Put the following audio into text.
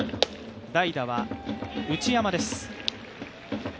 代打は内山です。